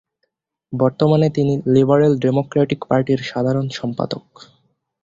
বর্তমানে তিনি liberal democratic পার্টির সাধারণ সম্পাদক।